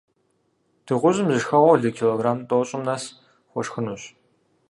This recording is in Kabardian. Дыгъужьым зэ шхэгъуэу лы килограмм тIощIым нэс хуэшхынущ.